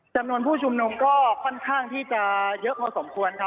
จำนวนผู้ชุมนุมก็ค่อนข้างที่จะเยอะพอสมควรครับ